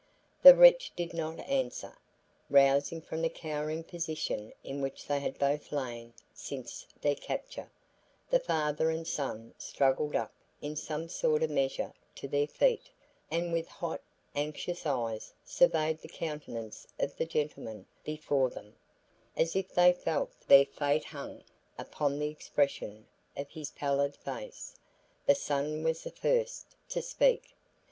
The wretch did not answer. Rousing from the cowering position in which they had both lain since their capture, the father and son struggled up in some sort of measure to their feet, and with hot, anxious eyes surveyed the countenance of the gentleman before them, as if they felt their fate hung upon the expression of his pallid face. The son was the first to speak.